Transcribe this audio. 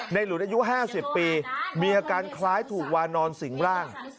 หลุนอายุ๕๐ปีมีอาการคล้ายถูกวานอนสิงร่าง